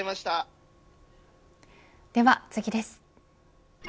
では次です。